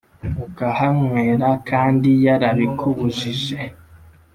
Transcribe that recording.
ukahanywera kandi yarabi kubujije